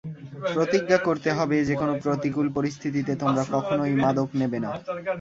প্রতিজ্ঞা করতে হবে, যেকোনো প্রতিকূল পরিস্থিতিতে তোমরা কখনোই মাদক নেবে না।